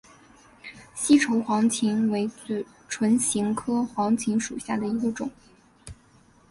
西畴黄芩为唇形科黄芩属下的一个种。